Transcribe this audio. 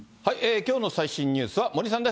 きょうの最新ニュースは森さんです。